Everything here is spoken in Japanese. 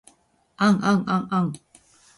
あんあんあ ｎ